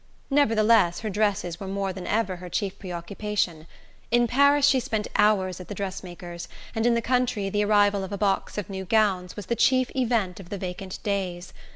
Nevertheless her dresses were more than ever her chief preoccupation: in Paris she spent hours at the dressmaker's, and in the country the arrival of a box of new gowns was the chief event of the vacant days.